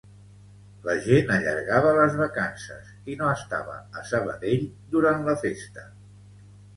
La gent allargava les vacances i no estava a Sabadell durant la festa